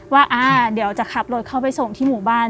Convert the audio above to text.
ว่าเดี๋ยวจะขับรถเข้าไปส่งที่หมู่บ้าน